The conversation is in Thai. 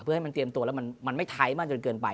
เพื่อให้มันเตรียมตัวแล้วมันไม่ไทยมากจนเกินไป